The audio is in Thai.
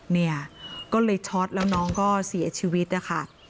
เนี่ยก็เลยช็อตแล้วน้องก็เสียชีวิตนะคะ